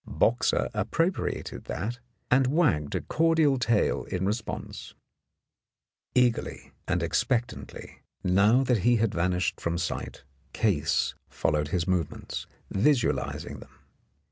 Boxer appropriated that, and wagged a cordial tail in response. Eagerly and expectantly, now that he had vanished from sight, Case followed his movements, visualizing them.